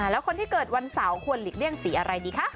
แล้วคนที่เกิดวันเสาร์ควรหลีกเลี่ยงสีอะไรดีคะ